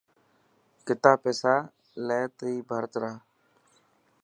ڪتا پيسا لي تي ڀرت را.